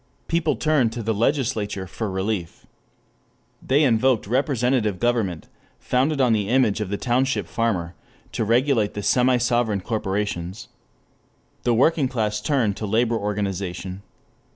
People turned to the legislature for relief. They invoked representative government, founded on the image of the township farmer, to regulate the semi sovereign corporations. The working class turned to labor organization.